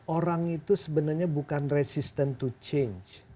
orang itu sebenarnya bukan resistant to change